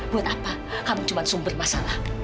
buat apa kamu cuma sumber masalah